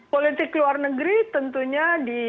politik luar negeri tentunya